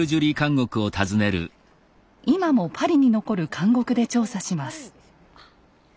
今もパリに残る監獄で調査します。